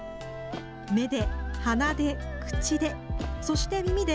目で、鼻で、口で、そして耳で。